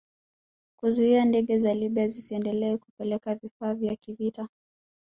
Kuzuia ndege za Libya zisiendelee kupeleka vifaa vya kivita